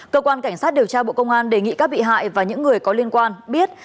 cơ quan cảnh sát điều tra bộ công an đề nghị các bị hại và những người có liên quan biết